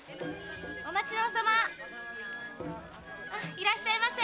いらっしゃいませ！